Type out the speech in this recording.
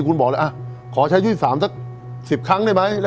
คุณบอกเลยขอใช้๒๓สัก๑๐ครั้งได้ไหม